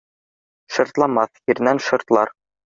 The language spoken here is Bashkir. — Шыртламаҫ еренән шыртлар